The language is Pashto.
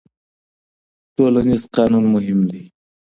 ټولنيز قانون مهم دی.